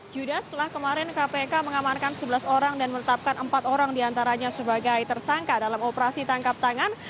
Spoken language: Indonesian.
yuda setelah kemarin kpk mengamankan sebelas orang dan menetapkan empat orang diantaranya sebagai tersangka dalam operasi tangkap tangan